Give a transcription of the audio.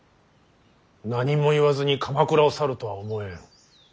何も言わずに鎌倉を去るとは思えん。